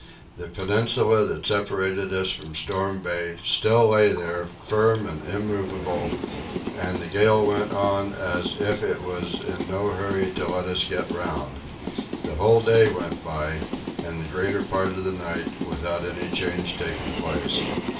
The peninsula that separated us from Storm Bay still lay there firm and immovable, and the gale went on as if it was in no hurry to let us get round. The whole day went by, and the greater part of the night, without any change taking place.